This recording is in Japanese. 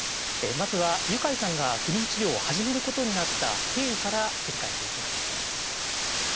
まずはユカイさんが不妊治療を始めることになった経緯から振り返っていきます。